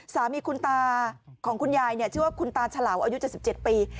สามีคุณตาของคุณยายเนี้ยชื่อว่าคุณตาฉลาวอายุเจ็บสิบเจ็ดปี